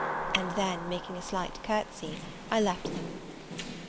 And then, making a slight courtesy, I left them.